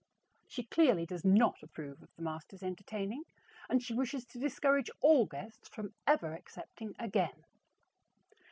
She clearly does not approve of the master's entertaining, and she wishes to discourage all guests from ever accepting again.